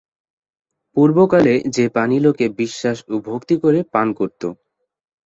পূর্ব কালে যে পানি লোকে বিশ্বাস ও ভক্তি করে পান করতো।